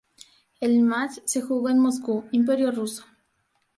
El match se jugó en Moscú, Imperio ruso.